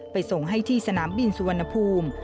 ส่งให้ที่สนามบินสุวรรณภูมิ